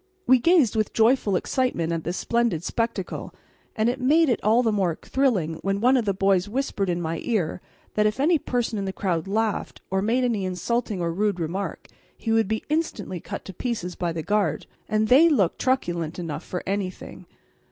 We gazed with joyful excitement at this splendid spectacle, and it made it all the more thrilling when one of the boys whispered in my ear that if any person in the crowd laughed or made any insulting or rude remark, he would be instantly cut to pieces by the guard. And they looked truculent enough for anything.